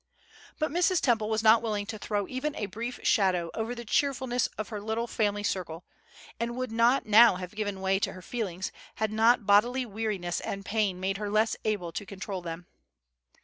But Mrs. Temple was not willing to throw even a brief shadow over the cheerfulness of her little family circle, and would not now have given way to her feelings had not bodily weariness and pain made her less able to control them.